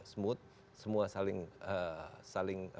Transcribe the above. smooth semua saling